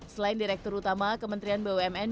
selain direktur utama kementerian bumn